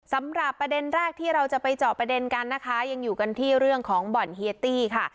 สำหรับประเด็นแรกที่เราจะไปเจาะประเด็นกันนะคะยังอยู่กันที่เรื่องของบ่อนเฮียตี้ค่ะ